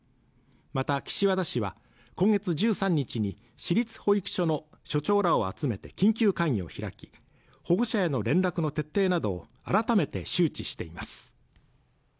また岸和田市は今月１３日に市立保育所の所長らを集めて緊急会議を開き保護者への連絡の徹底などを改めて周知しています